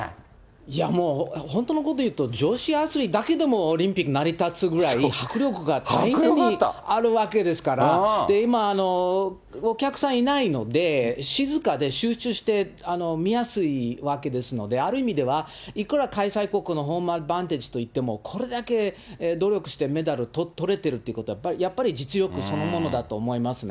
いやもう、本当のこと言うと、女子アスリートだけでもオリンピック成り立つぐらい、迫力が大変にあるわけですから、今、お客さんいないので、静かで集中して見やすいわけですので、ある意味では、いくら開催国のホームアドバンテージといっても、これだけ努力してメダルとれてるということは、やはり実力そのものだと思います